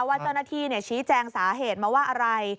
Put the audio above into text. ว่าเจ้าหน้าที่ชี้แจงสาเหตุมาว่าอะไร